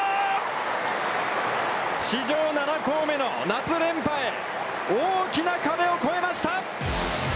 史上７校目の夏連覇へ大きな壁を越えました！